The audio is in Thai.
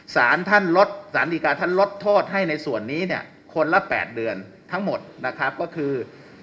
สารท่านลดสารดีการท่านลดโทษให้ในส่วนนี้เนี่ยคนละ๘เดือนทั้งหมดนะครับก็คือ